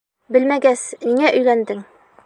Белмәгәс, ниңә өйләндең?